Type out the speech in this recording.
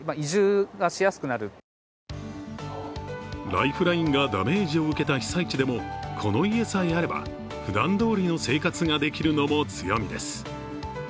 ライフラインがダメージを受けた被災地でも、この家さえあれば、ふだんどおりの生活ができるのも強みです。